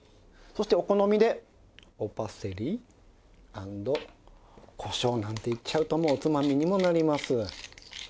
そしてお好みでおパセリアンドこしょうなんていっちゃうともうおつまみにもなります。